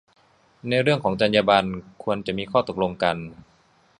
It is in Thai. ในเรื่องของจรรยาบรรณ ควรจะมีข้อตกลงกัน